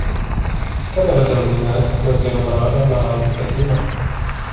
كان لدى منّاد منزل رائع على ضفّة النّهر.